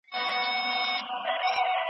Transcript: د سوال ګرۍ مخه ونیسئ.